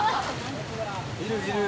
いるいる！